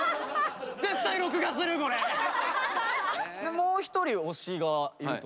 もう一人推しがいると。